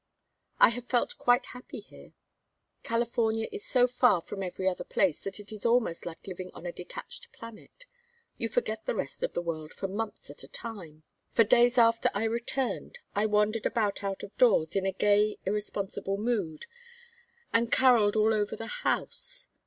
I have felt quite happy here. California is so far from every other place that it is almost like living on a detached planet. You forget the rest of the world for months at a time. For days after I returned I wandered about out of doors in a gay irresponsible mood, and carolled all over the house.